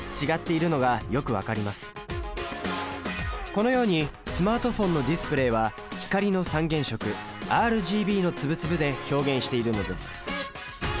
このようにスマートフォンのディスプレイは光の三原色ＲＧＢの粒々で表現しているのです。